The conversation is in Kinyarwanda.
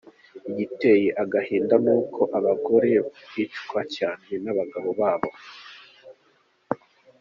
Igiteye agahinda, nuko abagore bicwa cyane n’abagabo babo.